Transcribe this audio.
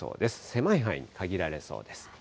狭い範囲に限られそうです。